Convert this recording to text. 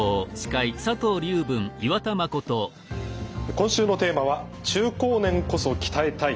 今週のテーマは「中高年こそ鍛えたい！